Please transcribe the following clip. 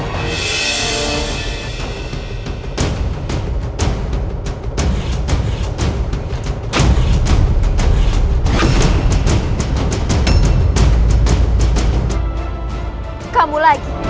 aku akan membunuh gadis itu